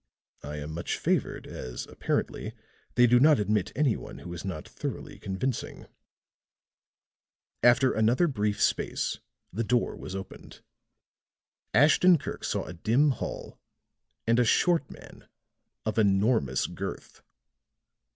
"I am much favored, as, apparently, they do not admit any one who is not thoroughly convincing." After another brief space, the door was opened. Ashton Kirk saw a dim hall and a short man of enormous girth.